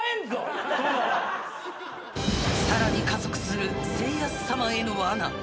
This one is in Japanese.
［さらに加速するせい康さまへのわな］